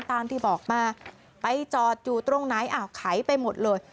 ตามที่บอกมาไปจอดอยู่ตรงไหนอ้าวไขไปหมดเลย